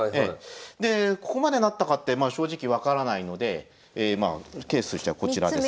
でここまでなったかってまあ正直分からないのでケースとしてはこちらですか。